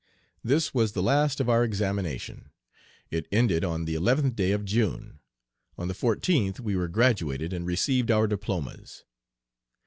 This was the last of our examination. It ended on the 11th day of June. On the 14th we were graduated and received our diplomas.